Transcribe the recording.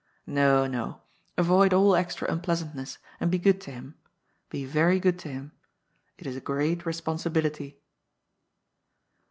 No, no. Avoid all extra unpleasantness, and be good to him ; be very good to him. It is a great respon sibility."